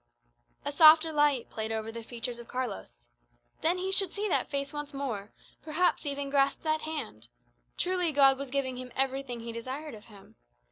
A softer light played over the features of Carlos. Then he should see that face once more perhaps even grasp that hand! Truly God was giving him everything he desired of him.